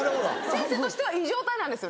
先生としてはいい状態なんですよ